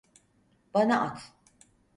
Bana at!